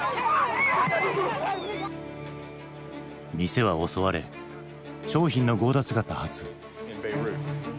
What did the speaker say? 店は襲われ商品の強奪が多発。